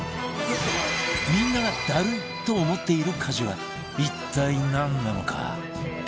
みんながダルいと思っている家事は一体なんなのか？